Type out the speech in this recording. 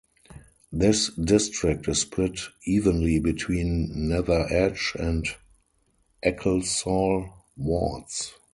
This district is split evenly between Nether Edge and Ecclesall Wards.